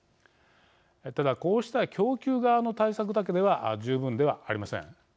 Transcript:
ただこうした供給側の対策だけでは十分ではありません。